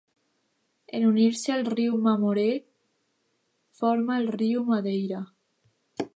En unir-se al riu Mamoré forma el riu Madeira.